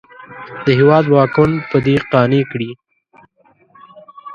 د هېواد واکمن په دې قانع کړي.